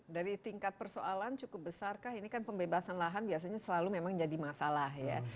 dari tingkat persoalan cukup besarkah ini kan pembebasan lahan biasanya selalu memang jadi masalah ya